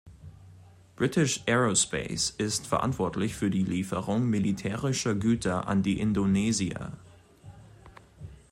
British Aerospace ist verantwortlich für die Lieferung militärischer Güter an die Indonesier.